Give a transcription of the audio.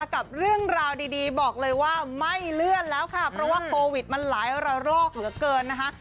กับเรื่องราวดีบอกเลยว่าไม่เลื่อนแล้วค่ะเพราะว่าโควิดมันหลายระรอกเหลือเกินนะคะ